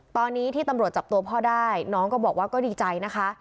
ตอนนี้ที่ตำรวจจับตัวพ่อได้น้องก็บอกว่าก็ดีใจนะคะ